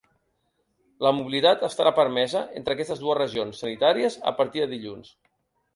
La mobilitat estarà permesa entre aquestes dues regions sanitàries a partir de dilluns.